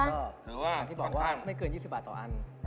แต่ว่าที่บอกว่าไม่เกิน๒๐บาทต่ออัน